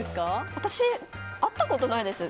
私、会ったことないです。